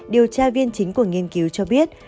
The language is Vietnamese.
điều tra viên chính của nghiên cứu cho biết